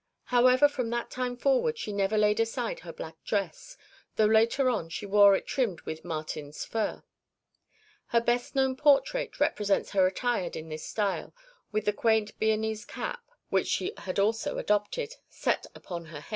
However, from that time forward she never laid aside her black dress, though later on she wore it trimmed with marten's fur. Her best known portrait (1) represents her attired in this style with the quaint Bearnese cap, which she had also adopted, set upon her head.